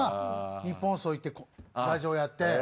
ニッポン放送行ってラジオやって。